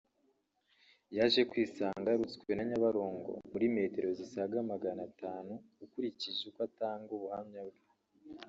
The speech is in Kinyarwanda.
yaje kwisanga yarutswe na Nyabarongo muri metero zisaga Magana atanu ukurikije uko atanga ubuhamya bwe